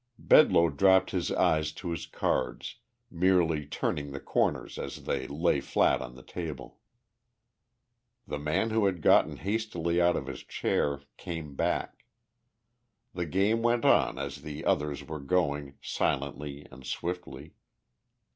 Bedloe dropped his eyes to his cards, merely turning the corners as they lay flat on the table. The man who had gotten hastily out of his chair came back. The game went on as the others were going, silently and swiftly.